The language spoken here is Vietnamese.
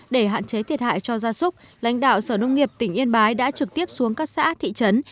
để hạn chế thiệt hại cho gia súc lãnh đạo sở nông nghiệp tỉnh yên bái đã trực tiếp xuống các xã thị trấn